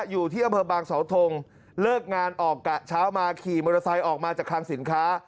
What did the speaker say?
อยู่ที่อำเภอบางสาวทงเลิกงานออกกะเช้ามาขี่มอเตอร์ไซค์ออกมาจากคลังสินค้า